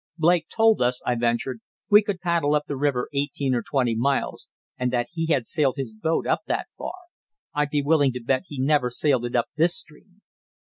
"Blake told us," I ventured, "we could paddle up the river eighteen or twenty miles, and that he had sailed his boat up that far. I'd be willing to bet he never sailed it up this stream."